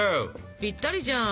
ぴったりじゃん。